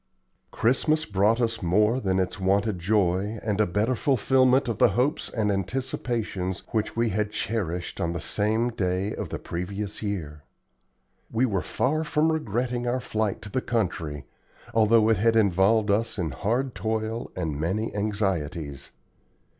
Christmas brought us more than its wonted joy, and a better fulfilment of the hopes and anticipations which we had cherished on the same day of the previous year. We were far from regretting our flight to the country, although it had involved us in hard toil and many anxieties.